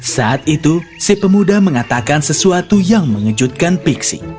saat itu si pemuda mengatakan sesuatu yang mengejutkan pixi